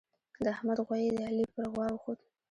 د احمد غويی د علي پر غوا وخوت.